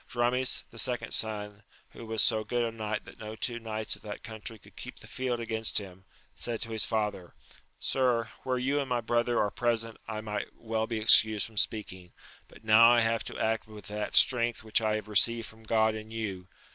Dramis, the second son, who was so good a knight that no two knights of that country could keep the field against him, said to his father, Sir, where you and my brother are present, I might well be excused from speaking ; but now I have to act with that strength which I have received from God and you.